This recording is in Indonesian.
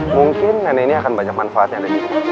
mungkin nenek ini akan banyak manfaatnya lagi